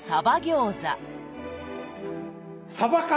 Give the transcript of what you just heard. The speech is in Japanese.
さば缶。